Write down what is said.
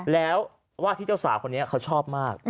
แล้วว่าที่เจ้าสาวคนนี้เขาชอบมาก